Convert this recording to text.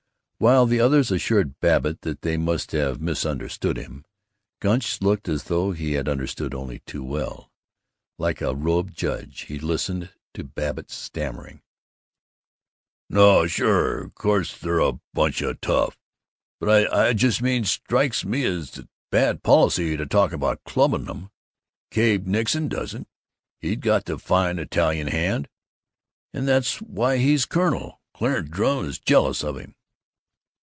While the others assured Babbitt that they must have misunderstood him, Gunch looked as though he had understood only too well. Like a robed judge he listened to Babbitt's stammering: "No, sure; course they're a bunch of toughs. But I just mean Strikes me it's bad policy to talk about clubbing 'em. Cabe Nixon doesn't. He's got the fine Italian hand. And that's why he's colonel. Clarence Drum is jealous of him."